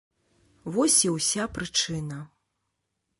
Вось і ўся прычына.